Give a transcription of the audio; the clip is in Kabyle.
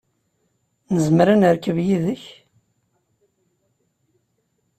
Nezmer ad nerkeb yid-k?